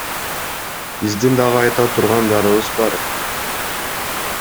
Биздин дагы айта тургандарыбыз бар.